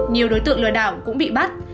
nhiều đối tượng lừa đảo cũng bị bắt